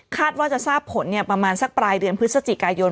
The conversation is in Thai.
ว่าจะทราบผลประมาณสักปลายเดือนพฤศจิกายน